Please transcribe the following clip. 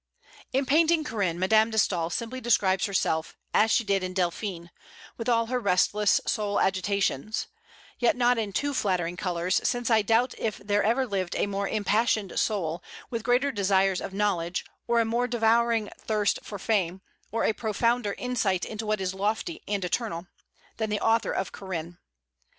In painting Corinne, Madame de Staël simply describes herself, as she did in "Delphine," with all her restless soul agitations; yet not in too flattering colors, since I doubt if there ever lived a more impassioned soul, with greater desires of knowledge, or a more devouring thirst for fame, or a profounder insight into what is lofty and eternal, than the author of "Corinne."